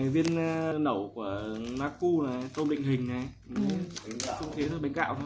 viên nẩu của naku là tôm định hình này